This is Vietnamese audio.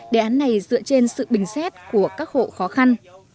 đề án này dựa trên sự bình xét của các hộ khó khăn